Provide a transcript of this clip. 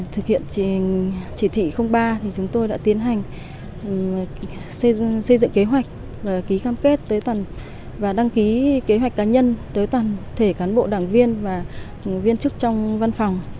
thực hiện chỉ thị ba thì chúng tôi đã tiến hành xây dựng kế hoạch ký cam kết tới toàn và đăng ký kế hoạch cá nhân tới toàn thể cán bộ đảng viên và viên chức trong văn phòng